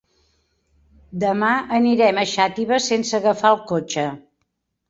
Demà anirem a Xàtiva sense agafar el cotxe.